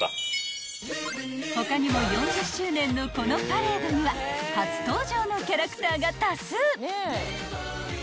［他にも４０周年のこのパレードには初登場のキャラクターが多数］